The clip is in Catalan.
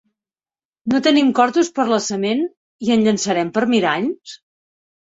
-No tenim cortos per la sement… i en llançarem per miralls?